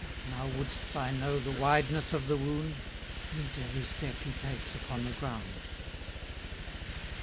Now wouldst thou know the wideness of the wound? Mete every step he takes upon the ground.